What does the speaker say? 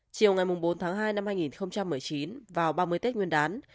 chiều ngày bốn tháng hai năm hai nghìn một mươi chín vào ba mươi tết nguyên đán